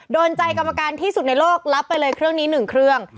โดนใจกรรมการที่สุดในโลกรับไปเลยเครื่องนี้๑เครื่อง